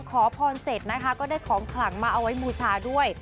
ขอพรเสร็จนะคะก็ได้ของขลังมาเอาไว้บูชาด้วย